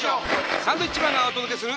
サンドウィッチマンがお届けする。